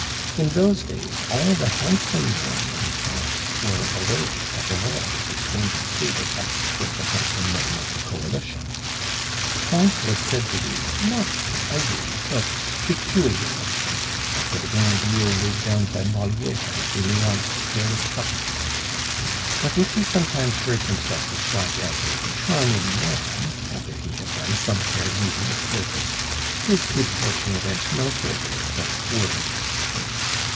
In those days, all the handsome men in France were away at the wars exchanging sabre cuts with the handsome men of the Coalition. Pons was said to be, not ugly, but "peculiar looking," after the grand rule laid down by Moliere in Eliante's famous couplets; but if he sometimes heard himself described as a "charming man" (after he had done some fair lady a service), his good fortune went no further than words.